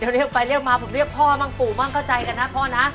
เรียกไปเรียกมาผมเรียกพ่อมั่งปู่มั่งเข้าใจกันนะพ่อนะ